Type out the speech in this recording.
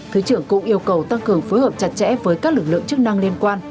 thứ trưởng cũng yêu cầu tăng cường phối hợp chặt chẽ với các lực lượng chức năng liên quan